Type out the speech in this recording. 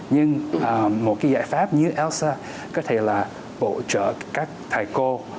nhưng một cái giải pháp như elsa có thể là bổ trợ các thầy cô